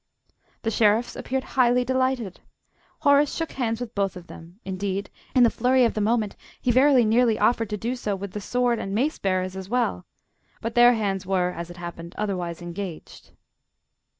The Sheriffs appeared highly delighted. Horace shook hands with both of them; indeed, in the flurry of the moment he very nearly offered to do so with the Sword and Mace bearers as well, but their hands were, as it happened, otherwise engaged.